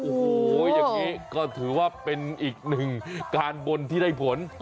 โอ้โหอย่างนี้ก็ถือว่าเป็นอีกหนึ่งการบนที่ได้ผล